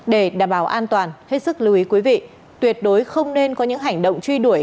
để đảm bảo an toàn hết sức lưu ý quý vị tuyệt đối không nên có những hành động truy đuổi